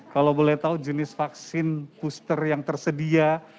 kalau boleh tahu jenis vaksin booster yang tersedia